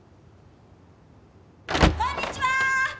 こんにちは！